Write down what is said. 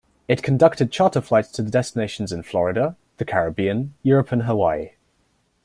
It conducted charter flights to destinations in Florida, the Caribbean, Europe and Hawaii.